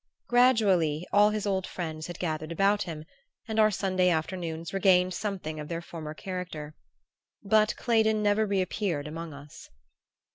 Gradually all his old friends had gathered about him and our Sunday afternoons regained something of their former character; but Claydon never reappeared among us.